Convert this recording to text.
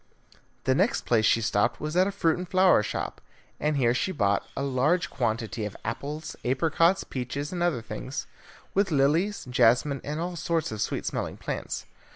The next place she stopped at was a fruit and flower shop, and here she bought a large quantity of apples, apricots, peaches, and other things, with lilies, jasmine, and all sorts of sweet smelling plants.